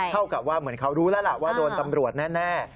เท่ากับว่าเหมือนเขารู้แล้วล่ะว่าโดนตำรวจแน่